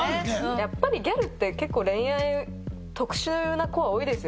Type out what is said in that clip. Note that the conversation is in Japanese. やっぱりギャルって結構恋愛特殊な子が多いですよ。